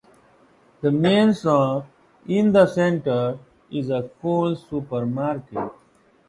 The main shop in the centre is a Coles supermarket.